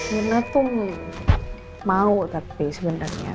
mina tuh mau tapi sebenarnya